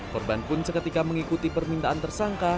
korban pun seketika mengikuti permintaan tersangka